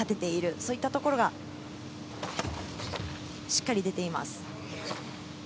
そういったところが、しっかり出ています。